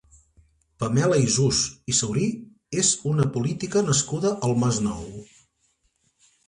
Pamela Isús i Saurí és una política nascuda al Masnou.